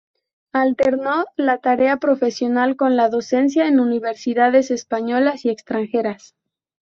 Alternó la tarea profesional con la docencia en universidades españolas y extranjeras.